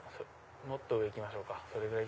もっと上行きましょうか。